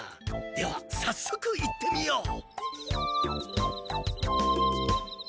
ではさっそく行ってみよう。